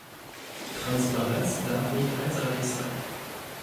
Transparenz darf nicht einseitig sein.